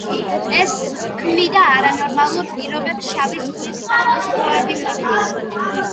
ეს ქმნიდა არანორმალურ პირობებს შავი ზღვის სახელმწიფოებისათვის.